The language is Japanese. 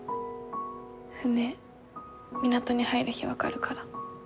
船港に入る日分かるから。